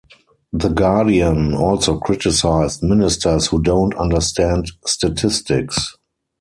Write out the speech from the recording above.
"The Guardian" also criticised "Ministers who don't understand statistics.